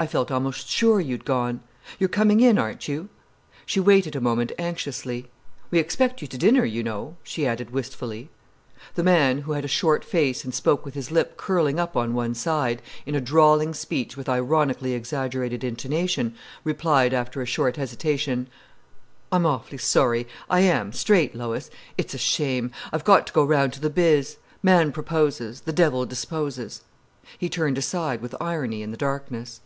I felt almost sure you'd gone. You're coming in, aren't you?" She waited a moment anxiously. "We expect you to dinner, you know," she added wistfully. The man, who had a short face and spoke with his lip curling up on one side, in a drawling speech with ironically exaggerated intonation, replied after a short hesitation: "I'm awfully sorry, I am, straight, Lois. It's a shame. I've got to go round to the biz. Man proposes—the devil disposes." He turned aside with irony in the darkness.